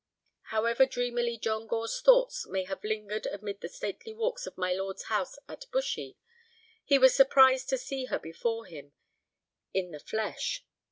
However dreamily John Gore's thoughts may have lingered amid the stately walks of my lord's house at Bushy, he was surprised to see her before him in the flesh.